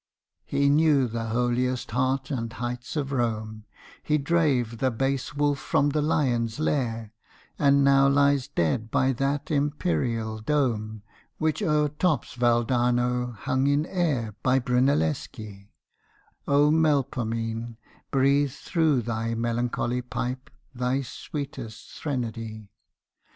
He knew the holiest heart and heights of Rome, He drave the base wolf from the lion's lair, And now lies dead by that empyreal dome Which overtops Valdarno hung in air By Brunelleschi—O Melpomene Breathe through thy melancholy pipe thy sweetest threnody!